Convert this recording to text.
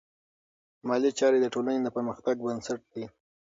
مالي چارې د ټولنې د پرمختګ بنسټ دی.